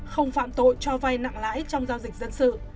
không phạm tội cho vay nặng lãi trong giao dịch dân sự